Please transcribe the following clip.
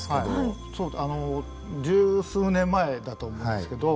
十数年前だと思うんですけど。